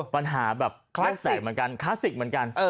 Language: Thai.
ปัญหาแบบคลาสสิกเหมือนกัน